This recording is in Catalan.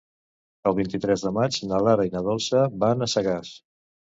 El vint-i-tres de maig na Lara i na Dolça van a Sagàs.